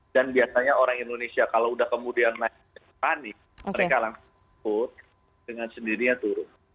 dan biasanya orang indonesia kalau sudah kemudian naik kembali mereka langsung turun dengan sendirinya turun